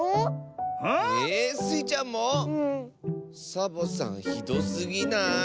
サボさんひどすぎない？